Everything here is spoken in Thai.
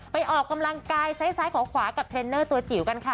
ออกกำลังกายซ้ายขอขวากับเทรนเนอร์ตัวจิ๋วกันค่ะ